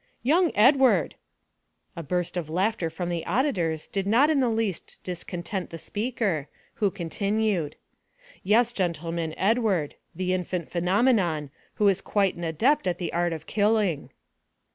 "Young Edward!" A burst of laughter from the auditors did not in the least disconcert the speaker, who continued,—"Yes, gentlemen; Edward, the infant phenomenon, who is quite an adept in the art of killing."